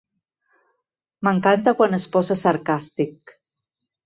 M'encanta quan es posa sarcàstic.